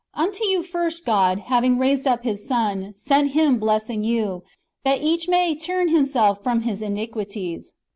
Unto you first, God, having raised up His Son, sent Him blessing you, that each may turn himself from his iniquities."